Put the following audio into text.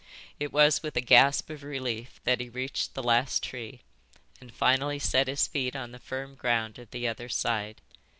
It was with a gasp of relief that he reached the last tree and finally set his feet on the firm ground of the other side.